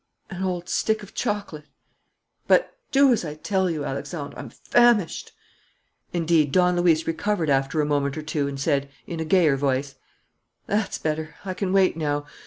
"An old stick of chocolate." "But " "Do as I tell you, Alexandre; I'm famished." Indeed, Don Luis recovered after a moment or two and said, in a gayer voice: "That's better. I can wait now.